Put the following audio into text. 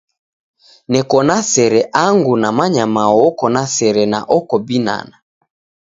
Neko na sere, angu namanya mao oko na sere na oko binana.